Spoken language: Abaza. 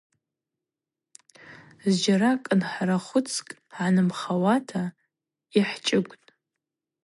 Зджьара кӏынхӏарахвыцкӏ гӏаныгӏмыжьуата йхӏчӏыгвтӏ.